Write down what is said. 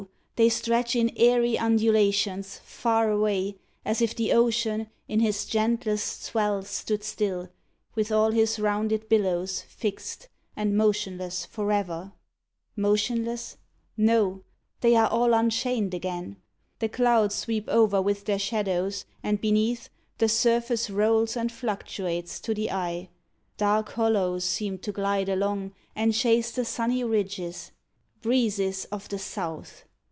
they stretch In airy undulations, far away, As if the ocean, in his gentlest swell, Stood still, with all his rounded billows fixed, And motionless for ever. Motionless? No they are all unchained again. The clouds Sweep over with their shadows, and, beneath, The surface rolls and fluctuates to the eye; Dark hollows seem to glide along and chase The sunny ridges. Breezes of the South!